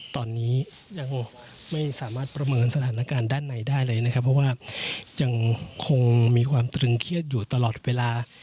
ตอนนี้ยังไม่สามารถประเมินสถานการณ์ด้านในได้เลยนะครับเพราะว่ายังคงมีความตรึงเครียดอยู่ตลอดเวลา